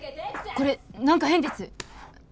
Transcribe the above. これなんか変です！